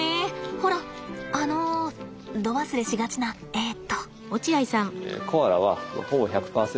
ほらあの度忘れしがちなえと。